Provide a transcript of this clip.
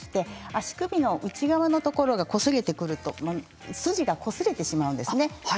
足首の内側のところがこそげてくると筋がこすれてしまうんですね。